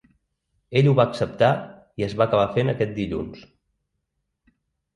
Ell ho va acceptar i es va acabar fent aquest dilluns.